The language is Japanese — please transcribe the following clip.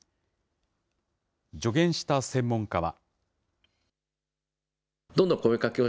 助言した専門家は。